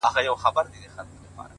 o ددې ښايستې نړۍ بدرنگه خلگ،